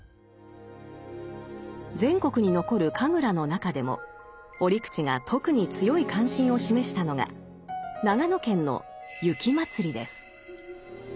全国に残る神楽の中でも折口が特に強い関心を示したのが長野県の雪祭です。